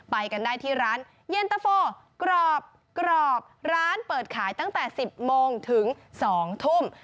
ไปกันได้ที่ร้านเย็นตะโฟกรอบร้านเปิดขายตั้งแต่๑๐โมงถึง๒ทุ่ม